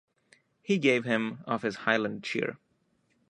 He gave him of his highland cheer.